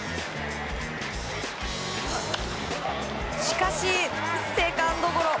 しかし、セカンドゴロ。